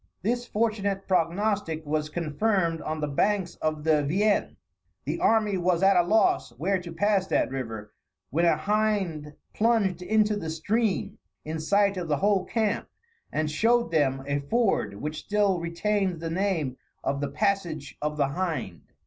This fortunate prognostic was confirmed on the banks of the Vienne. The army was at a loss where to pass that river, when a hind plunged into the stream in sight of the whole camp, and showed them a ford which still retains the name of the Passage of the Hind.